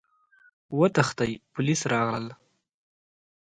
وتښتئ! پوليس راغلل!